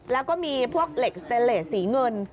แล้วก็มีพวกเหล็กส์สีเหงิน